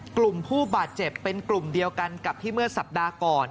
กลุ่มผู้บาดเจ็บเป็นกลุ่มเดียวกันกับที่เมื่อสัปดาห์ก่อน